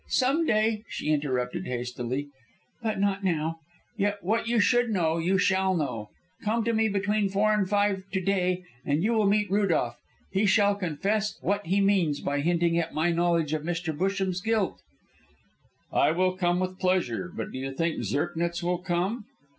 some day!" she interrupted hastily; "but not now. Yet what you should know, you shall know. Come to me between four and five to day, and you will meet Rudolph. He shall confess what he means by hinting at my knowledge of Mr. Busham's guilt." "I will come with pleasure, but do you think Zirknitz will come?"